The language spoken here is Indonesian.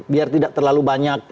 biar tidak terlalu banyak